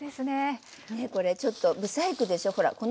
ねえこれちょっとブサイクでしょほら！